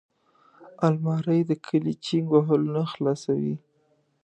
الماري د کالي چینګ وهلو نه خلاصوي